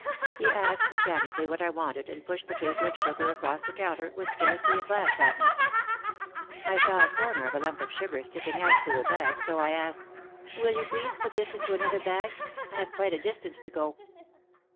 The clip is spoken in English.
He asked mechanically what I wanted and pushed the paper of sugar across the counter with scarcely a glance at me. I saw a corner of a lump of sugar sticking out through the bag so I asked, "Will you please put this into another bag? I have quite a distance to go."